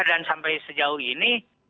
dan sampai sejauh ini